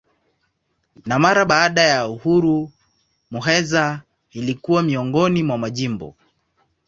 Na mara baada ya uhuru Muheza ilikuwa miongoni mwa majimbo.